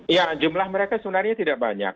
ya jumlah mereka sebenarnya tidak banyak